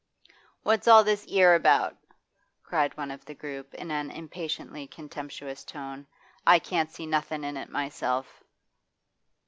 'What's all this 'ere about?' cried one of the group in an impatiently contemptuous tone. 'I can't see nothin' in it myself.